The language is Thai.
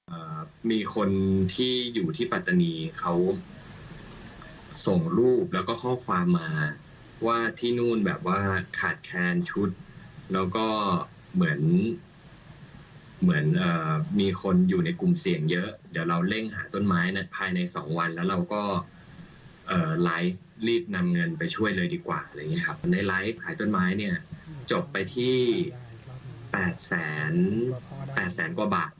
เอ่อมีคนที่อยู่ที่ปัตตานีเขาส่งรูปแล้วก็ข้อความมาว่าที่นู่นแบบว่าขาดแคลนชุดแล้วก็เหมือนเหมือนเอ่อมีคนอยู่ในกลุ่มเสี่ยงเยอะเดี๋ยวเราเร่งหาต้นไม้ในภายในสองวันแล้วเราก็เอ่อไลฟ์รีบนำเงินไปช่วยเลยดีกว่าอะไรอย่างเงี้ครับในไลฟ์ขายต้นไม้เนี่ยจบไปที่แปดแสนแปดแสนกว่าบาท